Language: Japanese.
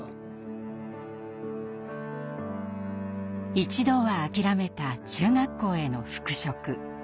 一度は諦めた中学校への復職。